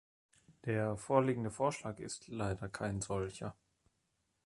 Der vorliegende Vorschlag ist leider kein solcher.